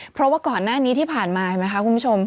เพราะว่าก่อนหน้านี้ที่ผ่านมาเห็นไหมคะคุณผู้ชม